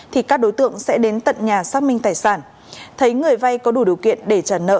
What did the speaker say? thì các đối tượng sẽ đến tận nhà xác minh tài sản thấy người vay có đủ điều kiện để trả nợ